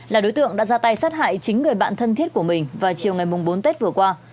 là đối tượng đã ra tay sát hại chính người bạn thân thiết của mình vào chiều ngày bốn tết vừa qua